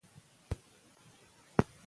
که پوهنتون وي نو لوړې زده کړې نه پاتیږي.